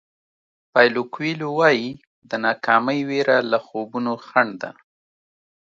پایلو کویلو وایي د ناکامۍ وېره له خوبونو خنډ ده.